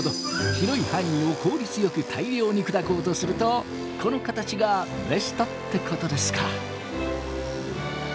広い範囲を効率よく大量に砕こうとするとこの形がベストってことですか。